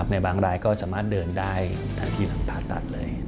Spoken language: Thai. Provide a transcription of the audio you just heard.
ในบางรายก็สามารถเดินได้ทั้งที่หลังผ่าตัดเลย